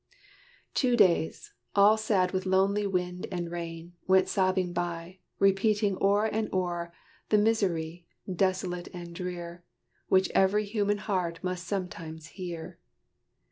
Two days, all sad with lonely wind and rain, Went sobbing by, repeating o'er and o'er The miserere, desolate and drear, Which every human heart must sometime hear.